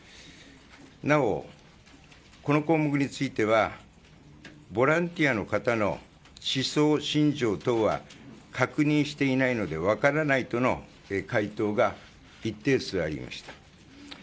なお、この項目についてはボランティアの方の思想・信条等は確認していないので分からないとの回答が一定数ありました。